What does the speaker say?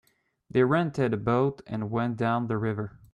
They rented a boat and went down the river.